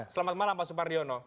selamat malam pak supardiono